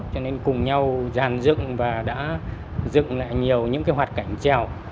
cho nên cùng nhau dàn dựng và đã dựng lại nhiều những hoạt cảnh trèo